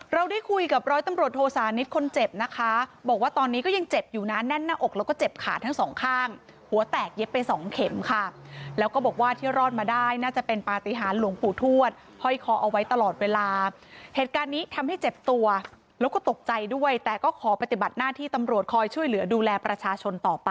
เราได้คุยกับร้อยตำรวจโทสานิทคนเจ็บนะคะบอกว่าตอนนี้ก็ยังเจ็บอยู่นะแน่นหน้าอกแล้วก็เจ็บขาทั้งสองข้างหัวแตกเย็บไปสองเข็มค่ะแล้วก็บอกว่าที่รอดมาได้น่าจะเป็นปฏิหารหลวงปู่ทวดห้อยคอเอาไว้ตลอดเวลาเหตุการณ์นี้ทำให้เจ็บตัวแล้วก็ตกใจด้วยแต่ก็ขอปฏิบัติหน้าที่ตำรวจคอยช่วยเหลือดูแลประชาชนต่อไป